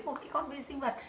một cái con vi sinh vật